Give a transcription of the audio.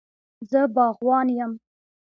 زه باغوان یم